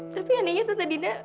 tapi anehnya tante dina